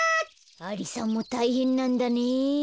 アリさんもたいへんなんだね。